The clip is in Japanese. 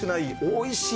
おいしい！